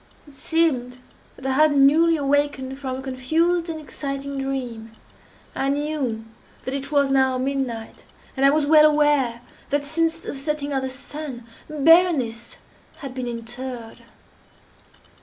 It seemed that I had newly awakened from a confused and exciting dream. I knew that it was now midnight, and I was well aware, that since the setting of the sun, Berenice had been interred.